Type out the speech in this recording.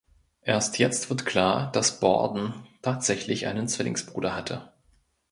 Erst jetzt wird klar, dass Borden tatsächlich einen Zwillingsbruder hatte.